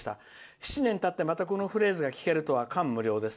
７年たって、またこのフレーズを聞けるとは感無量です。